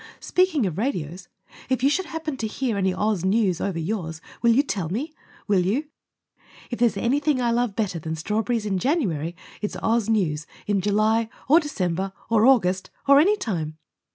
Speaking of radios, if you should happen to hear any OZ news over yours will you tell me? Will you? If there's anything I love better than strawberries in January it's Oz news in July or December or August — or any time!